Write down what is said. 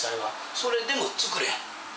それでも作れん。